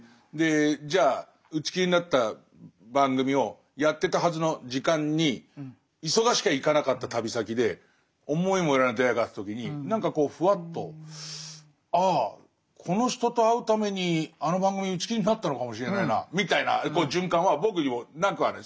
じゃあ打ち切りになった番組をやってたはずの時間に忙しきゃ行かなかった旅先で思いもよらない出会いがあった時に何かこうふわっとああこの人と会うためにあの番組打ち切りになったのかもしれないなみたいな循環は僕にもなくはない。